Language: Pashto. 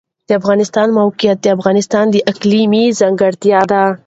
د افغانستان د موقعیت د افغانستان د اقلیم ځانګړتیا ده.